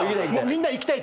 みんな行きたい。